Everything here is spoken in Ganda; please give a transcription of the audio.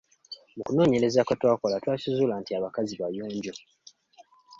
Mu kunoonyereza kwe twakola twakizuula nti abakazi bayonjo.